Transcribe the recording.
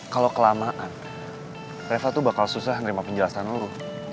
kalo kelamaan reva tuh bakal susah ngerima penjelasan lo